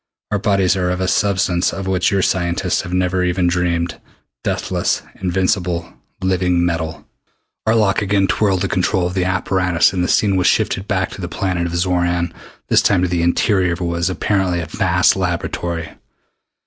Our bodies are of a substance of which your scientists have never even dreamed deathless, invincible, living metal!" Arlok again twirled the control of the apparatus and the scene was shifted back to the planet of Xoran, this time to the interior of what was apparently a vast laboratory.